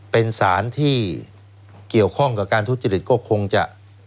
เป็นสารที่เกี่ยวข้องกับการทุจริตก็คงจะ